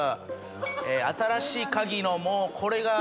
『新しいカギ』のもうこれが。